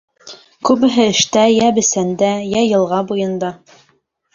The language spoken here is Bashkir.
Күбеһе эштә, йә бесәндә, йә йылға буйында.